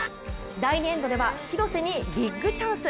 第２エンドでは廣瀬にビッグチャンス。